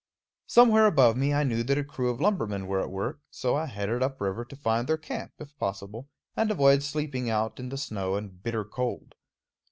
Somewhere above me I knew that a crew of lumbermen were at work; so I headed up river to find their camp, if possible, and avoid sleeping out in the snow and bitter cold.